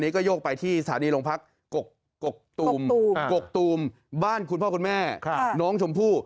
กกตูมบ้านคุณพ่อคุณแม่น้องชมพู่